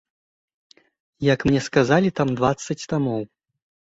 Як мне сказалі, там дваццаць тамоў.